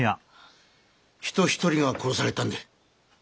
人一人が殺されたんでぇ。